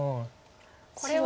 これは。